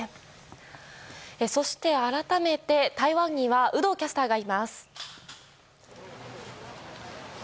そして、改めて台湾には有働キャスターがいます。